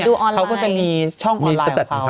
เหมือนดูออนไลน์เขาก็จะมีช่องออนไลน์ของเขา